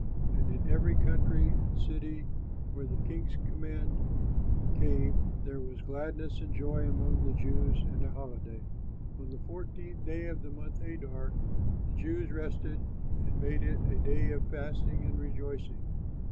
And in every country and city, where the king's command came, there was gladness and joy among the Jews, and a holiday. On the fourteenth day of the month Adar, the Jews rested and made it a day of feasting and rejoicing.